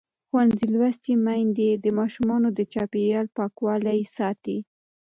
ښوونځې لوستې میندې د ماشومانو د چاپېریال پاکوالي ساتي.